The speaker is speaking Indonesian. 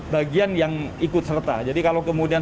bagian yang ikut serta jadi kalau kemudian